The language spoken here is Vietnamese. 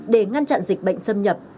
để ngăn chặn dịch bệnh xâm nhập